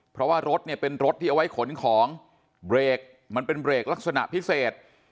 เพราะว่ารถเนี่ยเป็นรถที่เอาไว้ขนของเบรกมันเป็นเบรกลักษณะพิเศษ